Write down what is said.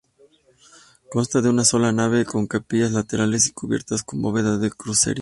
Consta de una sola nave con capillas laterales y cubierta con bóveda de crucería.